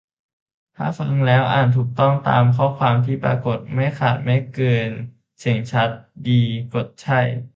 - ถ้าฟังแล้ว อ่านถูกต้องตามข้อความที่ปรากฏ ไม่ขาด ไม่เกิน เสียงชัดเจนดี กด "ใช่"